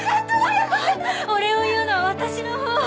お礼を言うのは私のほう！